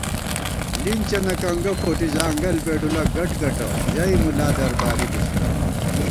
“لِنچِیَنہ کنگہ فوٹی ځانگل بېڈُولہ گٹگٹہ” ژَئی مُلا درباری بِسہ